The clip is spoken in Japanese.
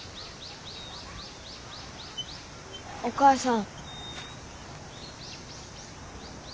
お母さん。